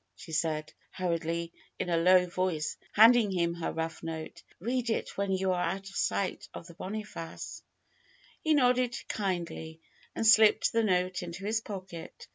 she said, hurriedly, in a low voice, handing him her rough note. "Bead it when you are out of sight of the Boniface." He nodded kindly and slipped the note into his pocket.